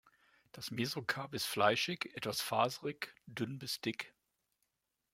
Das Mesokarp ist fleischig, etwas faserig, dünn bis dick.